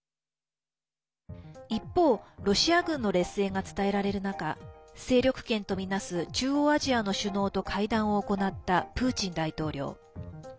一方、ロシア軍の劣勢が伝えられる中勢力圏とみなす中央アジアの首脳と会談を行ったプーチン大統領。